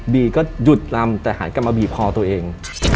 บีก็หยุดทำขไดฯแต่หายกันมากับมันตัวเอง